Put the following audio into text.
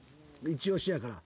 一押しやから。